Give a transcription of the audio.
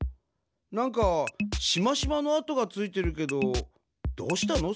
なんかしましまの跡がついてるけどどうしたの？